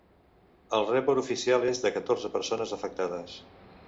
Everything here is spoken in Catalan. El report oficial és de catorze persones afectades.